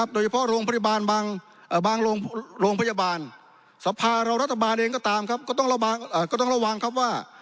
โดยเฉพาะโรงพยาบาลปริบัณค์ประภาพรัฐบาลเองก็ต้องระวังว่า